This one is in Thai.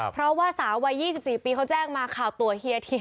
เพราะว่าสาววัย๒๔ปีเขาแจ้งมาข่าวตัวเฮียที